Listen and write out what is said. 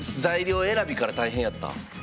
材料選びから大変やった？